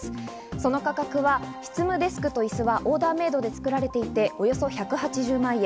その価格は執務デスクとイスはオーダーメードで作られていて、およそ１８０万円。